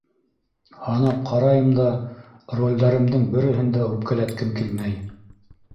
Һанап ҡарайым да, ролдәремдең береһен дә үпкәләткем килмәй.